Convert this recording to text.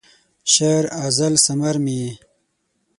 شعر، غزل ثمر مې یې